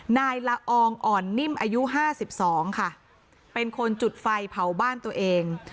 นายละอองอ่อนนิ่มอายุห้าสิบสองค่ะเป็นคนจุดไฟเผาบ้านตัวเอง